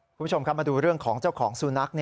คุณผู้ชมครับมาดูเรื่องของเจ้าของสุนัข